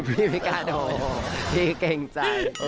พี่พิการโหพี่เก่งใจ